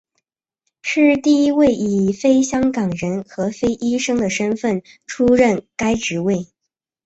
是第一位以非香港人和非医生的身份出任该职位。